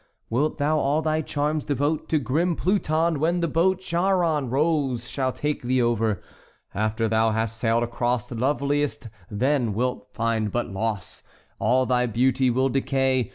Wilt thou all thy charms devote To grim Pluton when the boat Charon rows shall take thee over? "After thou hast sailed across, Loveliest, then wilt find but loss— All thy beauty will decay.